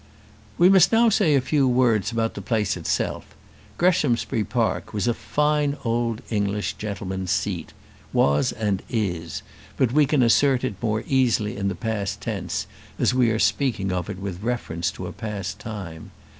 We must say a few words now about the place itself. Greshamsbury Park was a fine old English gentleman's seat was and is; but we can assert it more easily in past tense, as we are speaking of it with reference to a past time.